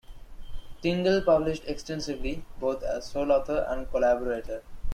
Tindale published extensively, both as sole author and collaborator.